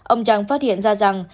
ông zhang phát hiện ra rằng